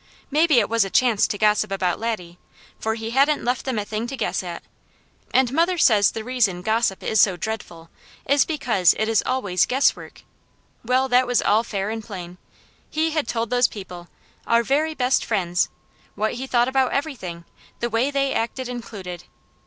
Maybe it was a chance to gossip about Laddie, for he hadn't left them a thing to guess at, and mother says the reason gossip is so dreadful is because it is always GUESSWORK. Well, that was all fair and plain. He had told those people, our very best friends, what he thought about everything, the way they acted included.